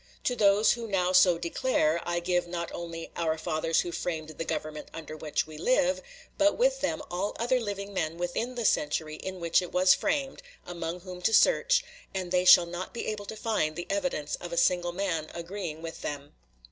To those who now so declare, I give, not only "our fathers who framed the government under which we live," but with them all other living men within the century in which it was framed, among whom to search, and they shall not be able to find the evidence of a single man agreeing with them.